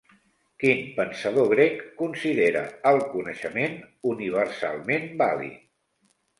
Quin pensador grec considera el coneixement universalment vàlid?